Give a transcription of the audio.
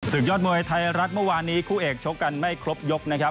ยอดมวยไทยรัฐเมื่อวานนี้คู่เอกชกกันไม่ครบยกนะครับ